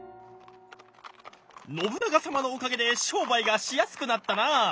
信長様のおかげで商売がしやすくなったな。